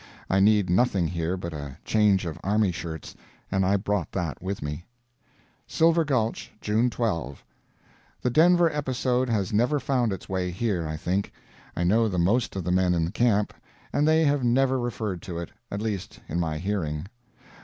I need nothing here but a change of army shirts, and I brought that with me. SILVER GULCH, June 12. The Denver episode has never found its way here, I think. I know the most of the men in camp, and they have never referred to it, at least in my hearing.